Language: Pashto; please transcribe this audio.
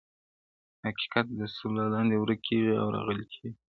حقيقت د سور للاندي ورک کيږي او غلي کيږي,